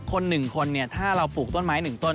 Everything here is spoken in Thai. คนหนึ่งคนถ้าเราปลูกต้นไม้หนึ่งต้น